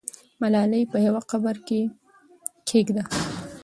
ملالۍ په یوه قبر کې کښېږده.